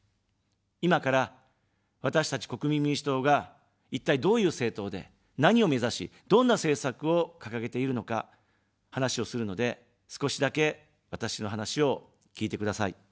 今から、私たち国民民主党が、一体、どういう政党で、何を目指し、どんな政策を掲げているのか話をするので、少しだけ、私の話を聞いてください。